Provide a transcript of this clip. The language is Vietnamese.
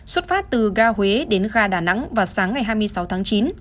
xuất phát từ ga huế đến ga đà nẵng vào sáng ngày hai mươi sáu tháng chín